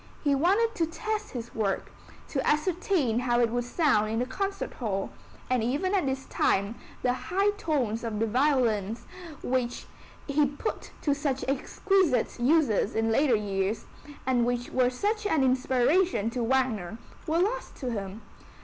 He wanted to test his work, to ascertain how it would sound in the concert hall, and even at this time the high tones of the violins, which he put to such exquisite uses in later years, and which were such an inspiration to Wagner, were lost to him.